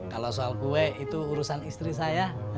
kalau soal kue itu urusan istri saya